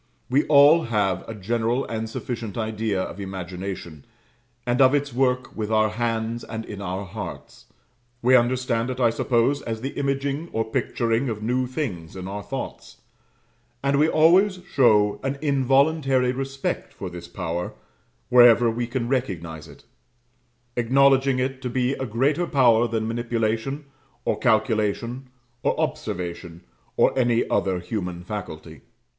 We all have a general and sufficient idea of imagination, and of its work with our hands and in our hearts: we understand it, I suppose, as the imaging or picturing of new things in our thoughts; and we always show an involuntary respect for this power, wherever we can recognize it, acknowledging it to be a greater power than manipulation, or calculation, or observation, or any other human faculty.